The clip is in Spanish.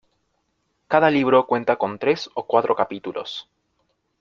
Cada libro cuenta con tres o cuatro capítulos.